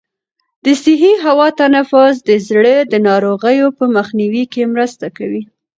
د صحي هوا تنفس د زړه د ناروغیو په مخنیوي کې مرسته کوي.